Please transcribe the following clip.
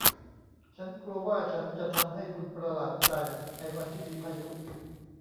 ฉันกลัวว่าฉันจะทำให้คุณประหลาดใจ ในวันที่มีพายุ